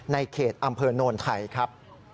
ในเขตอำเภอโนนไทยครับ